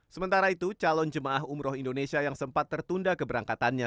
sementara itu calon jemaah umroh indonesia yang sempat tertunda keberangkatannya